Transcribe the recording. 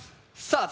さあ